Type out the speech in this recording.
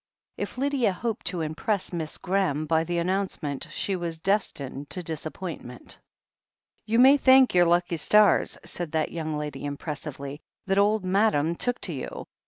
If Lydia hoped to impress Miss Graham by the an nouncement, she was destined to disappointment. "You may thank your lucky stars," said that young lady impressively, "that old M^dam took to you.